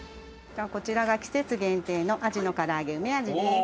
こちらが季節限定のアジの唐揚げ梅味です。